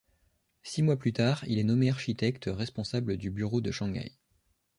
Six mois plus tard, il est nommé architecte responsable du bureau de Shanghai.